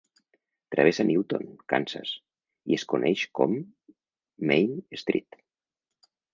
Travessa Newton, Kansas, i es coneix com Main Street.